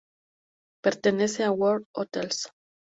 Pertenece a "World Hotels".